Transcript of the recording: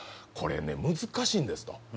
「これね難しいんです」と。